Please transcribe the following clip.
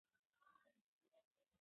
سبا به د لګېدونکي باد سرعت ډېر وي.